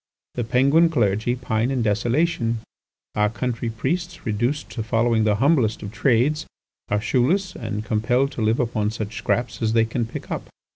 The Penguin clergy pine in desolation; our country priests, reduced to following the humblest of trades, are shoeless, and compelled to live upon such scraps as they can pick up.